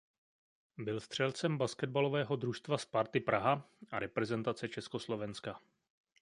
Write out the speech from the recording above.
Byl střelcem basketbalového družstva Sparty Praha a reprezentace Československa.